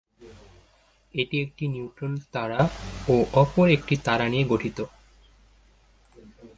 এটি একটি নিউট্রন তারা ও অপর একটি তারা নিয়ে গঠিত।